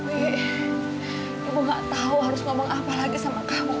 ibu gak tahu harus ngomong apa lagi sama kamu